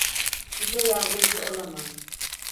Size yardımcı olamam.